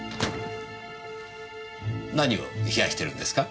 何を冷やしてるんですか？